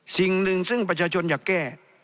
สิ่งหนึ่งซึ่งประชาชนอยากแก้